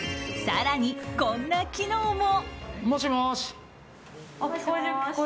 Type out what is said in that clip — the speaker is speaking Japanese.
更に、こんな機能も。